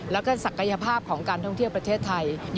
แล้วก็ศักยภาพของการท่องเที่ยวประเทศไทย